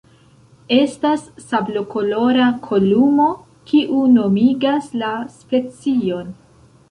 Estas sablokolora kolumo, kiu nomigas la specion.